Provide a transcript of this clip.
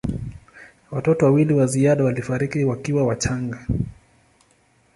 Watoto wawili wa ziada walifariki wakiwa wachanga.